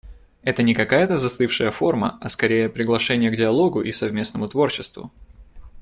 Это не какая-то застывшая форма, а, скорее, приглашение к диалогу и совместному творчеству.